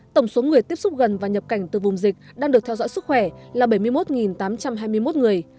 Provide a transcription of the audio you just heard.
tổng số người tiếp xúc gần và nhập cảnh từ vùng dịch đang được theo dõi sức khỏe là bảy mươi một tám trăm hai mươi một người